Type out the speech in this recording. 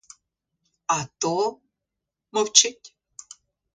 А то — мовчить.